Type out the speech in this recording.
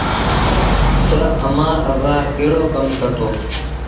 تا امآݩ ابآ ڪهڙو ڪم ڪرتو